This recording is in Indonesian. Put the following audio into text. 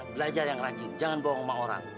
belajar yang rajin jangan bawa ngomong orang